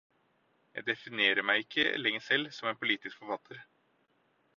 Jeg definerer meg ikke lenger selv som en politisk forfatter.